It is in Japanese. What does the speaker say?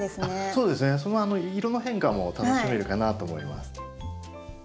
そうですね色の変化も楽しめるかなと思います。